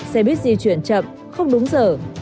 xe buýt di chuyển chậm không đúng giờ